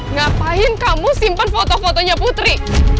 ngapain kamu simpen foto fotonya putri